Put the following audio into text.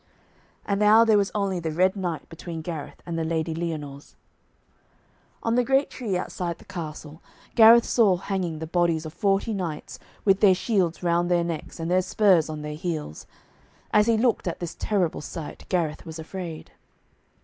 And now there was only the Red Knight between Gareth and the Lady Lyonors. On the great tree, outside the castle, Gareth saw hanging the bodies of forty knights, with their shields round their necks and their spurs on their heels. As he looked at this terrible sight, Gareth was afraid.